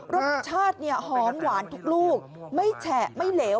รสชาติหอมหวานทุกลูกไม่แฉะไม่เหลว